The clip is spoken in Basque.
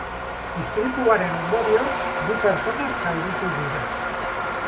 Istripuaren ondorioz, bi pertsona zauritu dira.